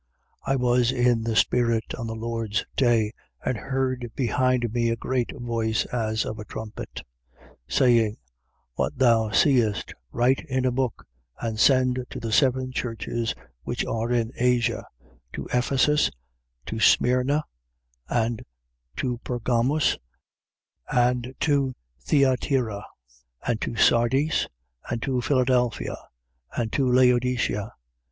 1:10. I was in the spirit on the Lord's day and heard behind me a great voice, as of a trumpet, 1:11. Saying: What thou seest, write in a book and send to the seven churches which are in Asia: to Ephesus and to Smyrna and to Pergamus and to Thyatira and to Sardis and to Philadelphia and to Laodicea.